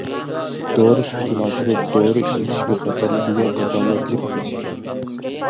دورا سۈپىتىنى ئاشۇرۇپ، دورا ئىشلىتىش بىخەتەرلىكىگە كاپالەتلىك قىلىش كېرەك.